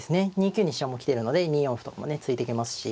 ２九に飛車も来てるので２四歩とかもね突いていけますし。